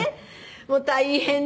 もう大変で。